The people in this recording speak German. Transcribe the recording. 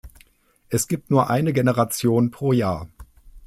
Es gibt nur eine Generation pro Jahr.